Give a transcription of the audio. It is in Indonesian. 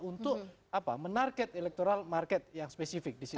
untuk menarget electoral market yang spesifik di situ